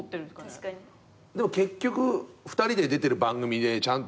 結局２人で出てる番組でちゃんと何つうの？